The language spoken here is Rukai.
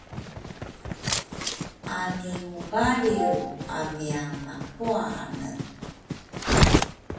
ani ngubalriv amiya nakuane.